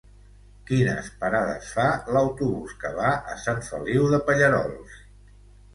Quines parades fa l'autobús que va a Sant Feliu de Pallerols?